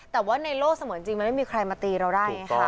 แต่ว่าในโลกเสมือนจริงมันไม่มีใครมาตีเราได้ไงค่ะ